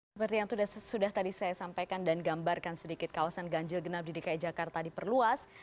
seperti yang sudah tadi saya sampaikan dan gambarkan sedikit kawasan ganjil genap di dki jakarta diperluas